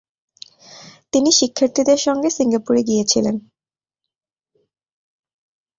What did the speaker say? তিনি শিক্ষার্থীদের সঙ্গে সিঙ্গাপুরে গিয়েছিলেন।